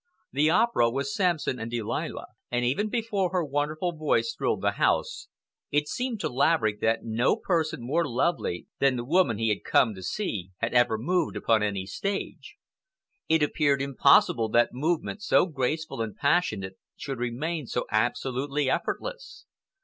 The opera was Samson and Delilah, and even before her wonderful voice thrilled the house, it seemed to Laverick that no person more lovely than the woman he had come to see had ever moved upon any stage. It appeared impossible that movement so graceful and passionate should remain so absolutely effortless.